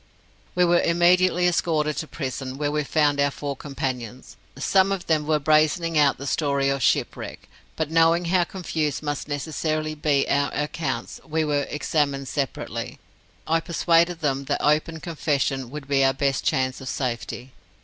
"We were immediately escorted to prison, where we found our four companions. Some of them were for brazening out the story of shipwreck, but knowing how confused must necessarily be our accounts, were we examined separately, I persuaded them that open confession would be our best chance of safety.